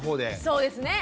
そうですね。